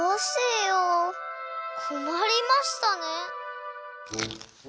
こまりましたね。